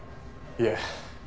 いえ。